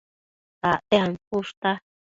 Acte ancushta